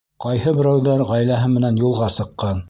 Ҡайһы берәүҙәр ғаиләһе менән юлға сыҡҡан.